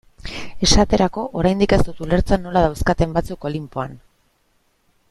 Esaterako, oraindik ez dut ulertzen nola dauzkaten batzuk Olinpoan.